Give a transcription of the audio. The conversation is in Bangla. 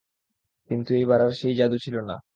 কিন্তু, এইবার আর সেই যাদু ছিল না।